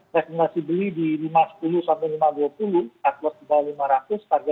rekomendasi beli di lima ratus sepuluh sampai lima ratus dua puluh